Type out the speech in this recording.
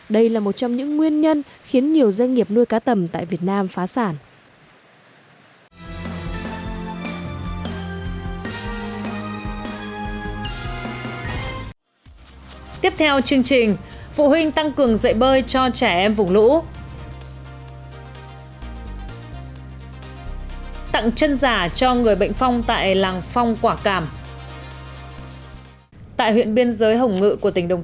đây là một trong những nguyên nhân khiến nhiều doanh nghiệp nuôi cá tầm tại việt nam phá sản